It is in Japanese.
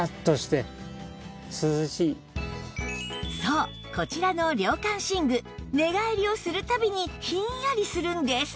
そうこちらの涼感寝具寝返りをする度にひんやりするんです